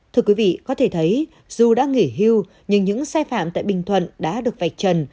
thưa quý vị có thể thấy dù đã nghỉ hưu nhưng những sai phạm tại bình thuận đã được vạch trần